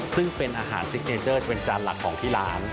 ซึ่งเป็นอาหารซิกเนเจอร์เป็นจานหลักของที่ร้าน